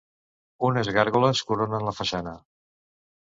Unes gàrgoles coronen la façana.